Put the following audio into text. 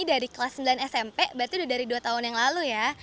dari kelas sembilan smp berarti udah dari dua tahun yang lalu ya